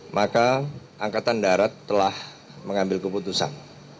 maka angkatan darat telah mengambil keputusan